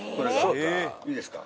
いいですか？